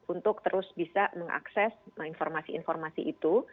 untuk terus bisa mengakses informasi informasi itu